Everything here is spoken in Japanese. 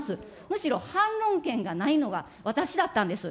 むしろ反論権がないのが私だったんです。